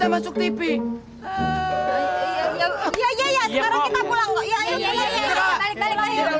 ya ya ya udah sana pulang